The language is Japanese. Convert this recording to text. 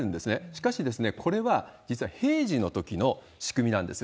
しかし、これは実は平時のときの仕組みなんです。